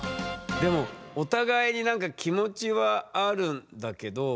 でもお互いになんか気持ちはあるんだけどなんかね。